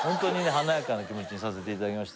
華やかな気持ちにさせていただきました